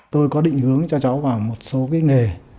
tôi có định hướng cho cháu vào một số cái nghề